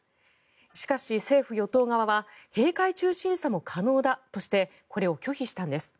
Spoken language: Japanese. しかし、政府・与党側は閉会中審査も可能だとしてこれを拒否したんです。